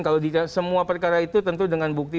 kalau di semua perkara itu tentu dengan bukti